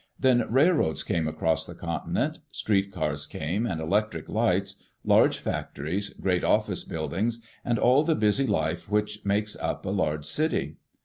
Then railroads came across the continent. ' Street cars came, and electric lights, large factories, great office buildings, and all the busy life which makes up a large city.